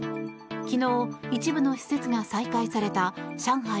昨日、一部の施設が再開された上海